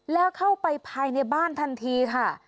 แล้วเข้าไปภายในบ้านทันทีค่ะ